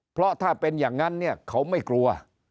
เพราะถ้าเป็นอย่างนั้นเนี่ยเขาไม่กลัว